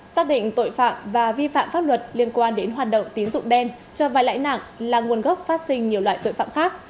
xác định tội phạm và vi phạm pháp luật liên quan đến hoạt động tín dụng đen cho vai lãi nặng là nguồn gốc phát sinh nhiều loại tội phạm khác